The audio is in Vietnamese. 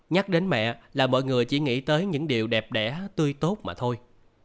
nhắc đến mẹ là mọi người chỉ nghĩ tới những điều đẹp đẻ tươi tốt mà thôi